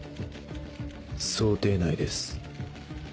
想定内です。